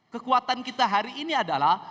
kekuatan kita hari ini adalah